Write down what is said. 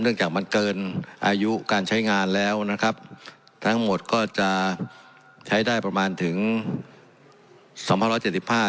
จากมันเกินอายุการใช้งานแล้วนะครับทั้งหมดก็จะใช้ได้ประมาณถึงสองพันร้อยเจ็ดสิบห้า